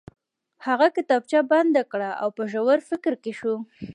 هغه کتابچه بنده کړه او په ژور فکر کې شو